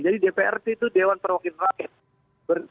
jadi dpr itu dewan perwakilan rakyat